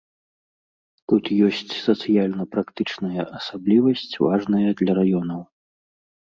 Тут ёсць сацыяльна-практычная асаблівасць важная для раёнаў.